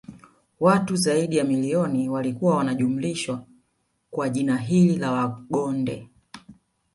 watu zaidi ya milioni walikuwa wanajumlishwa kwa jina hili la Wagonde